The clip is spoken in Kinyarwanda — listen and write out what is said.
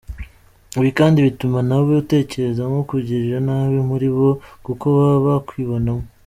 Ibi kandi bituma ntawe utekereza kukugirira nabi muri bo, kuko baba bakwibonamo.